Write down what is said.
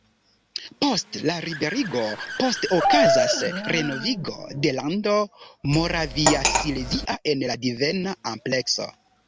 Post la liberigo poste okazas renovigo de Lando Moraviasilezia en la devena amplekso.